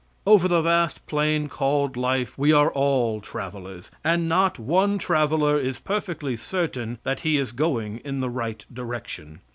Over the vast plain called life we are all travelers, and not one traveler is perfectly certain that he is going in the right direction.